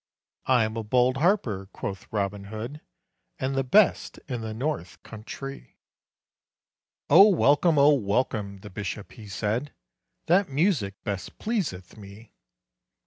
"I am a bold harper," quoth Robin Hood, "And the best in the north country." "Oh welcome, oh welcome," the bishop he said: "That music best pleaseth me."